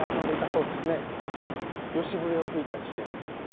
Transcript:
葦笛を吹いたりして。